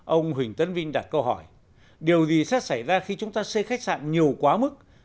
ông huỳnh tấn vinh đặt câu hỏi điều gì sẽ xảy ra khi chúng ta xây khách sạn nhiều quá mức